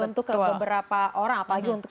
untuk beberapa orang apalagi untuk